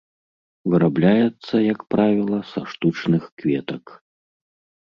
Вырабляецца, як правіла, са штучных кветак.